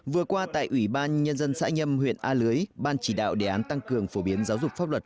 vừa qua tại ủy ban nhân dân xã nhâm huyện a lưới ban chỉ đạo đề án tăng cường phổ biến giáo dục pháp luật